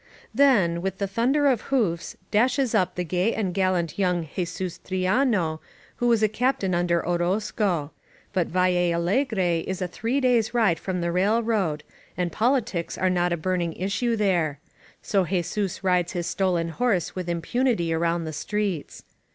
Then, with the thunder of hoofs, dashes up the gay and gallant young Jesus Triano, who was a Captain under Orozco. But Valle Allegre is a three days' ride from the railroad, and politics are not a burning issue there; so Jesus rides his stolen horse with impunity around the streets.